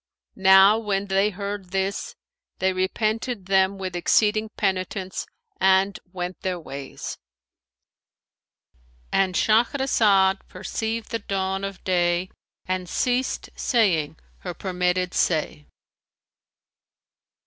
Now when they heard this, they repented them with exceeding penitence and went their ways."—And Shahrazad perceived the dawn of day and ceased saying her permitted say.